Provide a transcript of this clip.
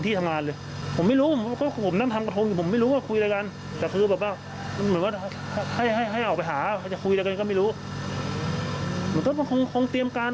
ถูกป่ะคนเรายังไปไหนจะพบปืนไหมล่ะ